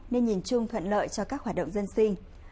nên nhìn chung thuận lợi cho các hoạt động dân sinh